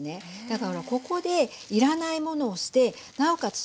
だからここで要らないものを捨てなおかつ